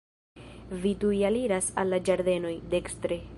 Vi tuj aliras al la ĝardenoj, dekstre.